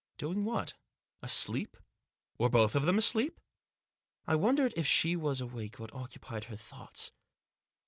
Doing what ? Asleep ? Were both of them asleep ? I wondered, if she was awake, what occupied her thoughts